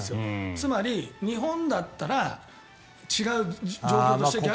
つまり、日本だったら違う状況として。